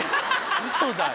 ウソだよ！